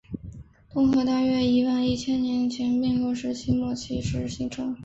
东河大约于一万一千年前冰河时期末期时形成。